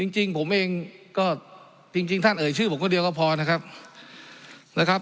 จริงผมเองก็จริงท่านเอ่ยชื่อผมคนเดียวก็พอนะครับ